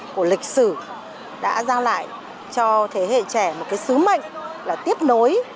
của lịch sử đã giao lại cho thế hệ trẻ một cái sứ mệnh là tiếp nối